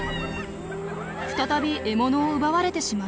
再び獲物を奪われてしまいます。